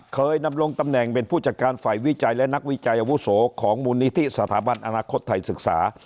เคยนำลงตำแหน่งเป็นผู้จัดการฝ่ายวิจัยและนักวิจัยอาวุโสของมูลนิธิสถาบันอนาคตไทยศึกษา